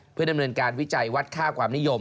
เพื่อดำเนินการวิจัยวัดค่าความนิยม